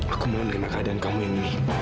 aku mau menerima keadaan kamu ini